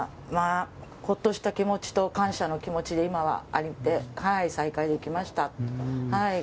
ほっとした気持ちと感謝の気持ちで今はあって再開できました。